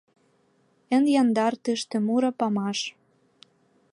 Эн яндар тыште муро памаш.